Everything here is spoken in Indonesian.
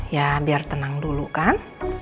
ya biar tenang dulu kan